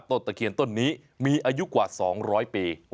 ตะเคียนต้นนี้มีอายุกว่า๒๐๐ปี